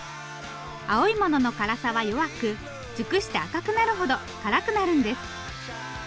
青いものの辛さは弱く熟して赤くなるほど辛くなるんです。